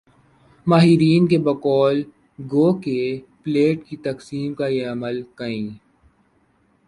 ماہرین کی بقول گو کہ پلیٹ کی تقسیم کا یہ عمل کئی